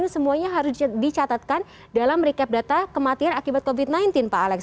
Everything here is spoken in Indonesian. semuanya harus dicatatkan dalam recap data kematian akibat covid sembilan belas pak alex